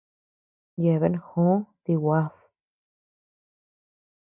Yeabean jò ti guad.